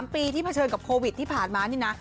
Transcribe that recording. ปีที่เผชิญกับโควิดที่ผ่านมานี่นะ